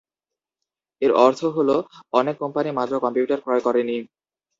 এর অর্থ হল, অনেক কোম্পানি মাত্র কম্পিউটার ক্রয় করেনি।